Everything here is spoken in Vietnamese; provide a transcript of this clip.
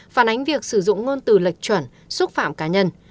phản ánh việc sử dụng ngôn từ lệch chuẩn xúc phạm cá nhân